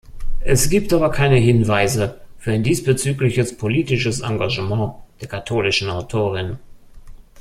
Es gibt aber keine Hinweise für ein diesbezügliches politisches Engagement der katholischen Autorin.